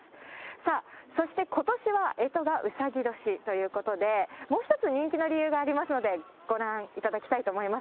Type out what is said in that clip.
さあ、そしてことしはえとがうさぎ年ということで、もう一つ、人気の理由がありますので、ご覧いただきたいと思います。